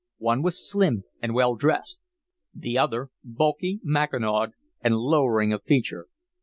One was slim and well dressed; the other bulky, mackinawed, and lowering of feature.